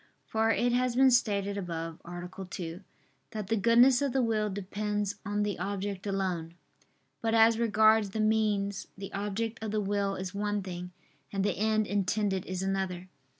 For it has been stated above (A. 2) that the goodness of the will depends on the object alone. But as regards the means, the object of the will is one thing, and the end intended is another.